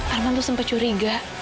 arman tuh sempat curiga